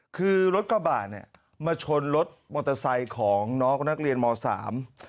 คือรถกระบะเนี่ยมาชนรถมอเตอร์ไซค์ของน้องนักเรียนมสาม